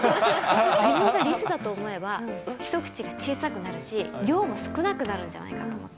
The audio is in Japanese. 自分がリスだと思えば、一口が小さくなるし、量も少なくなるんじゃないかと思って。